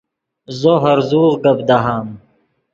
زو ہرزوغ گپ دہام